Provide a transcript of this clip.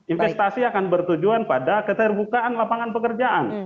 investasi akan bertujuan pada keterbukaan lapangan pekerjaan